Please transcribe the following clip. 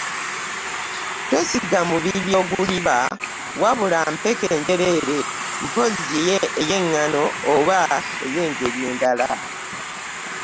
Tosiga mubiri oguliba, wabula mpeke njereere, mpozzi ya ŋŋaano, oba ya ngeri ndala.